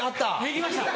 行きました。